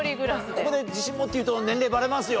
ここで自信持って言うと年齢バレますよ。